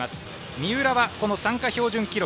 三浦は参加標準記録